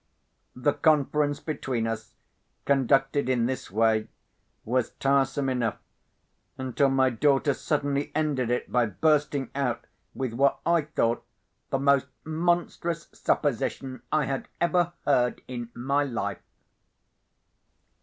The conference between us, conducted in this way, was tiresome enough, until my daughter suddenly ended it by bursting out with what I thought the most monstrous supposition I had ever heard in my life.